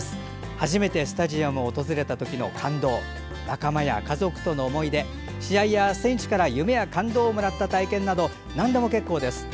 初めてスタジアムを訪れた時の感動仲間や家族との思い出試合や選手から夢や感動をもらった体験などなんでも結構です。